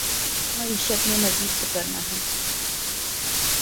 معیشت نے مزید سکڑنا ہے۔